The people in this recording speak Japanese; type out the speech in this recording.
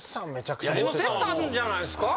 モテたんじゃないですか？